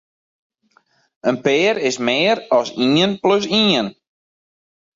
In pear is mear as ien plus ien.